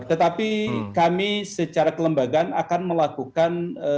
tetapi kami secara kelembagaan akan melakukan